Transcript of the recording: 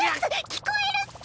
聞こえるっス！